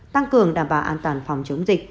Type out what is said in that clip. tăng cường đảm bảo an toàn phòng chống dịch